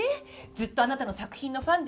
ずっとあなたの作品のファンでね。